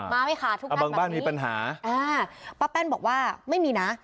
มาไว้ค่ะทุกงานแบบนี้อ่าป้าแป้นบอกว่าไม่มีนะ